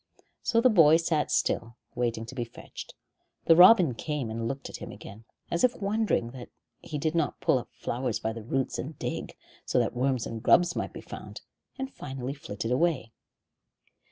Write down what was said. So the boy sat still, waiting to be fetched. The robin came and looked at him again, as if wondering that he did not pull up flowers by the roots and dig, so that worms and grubs might be found, and finally flitted away.